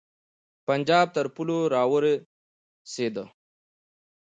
پنجاب تر پولو را ورسېدی.